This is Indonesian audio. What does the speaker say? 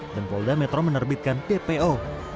dan polda metro menerbitkan ppo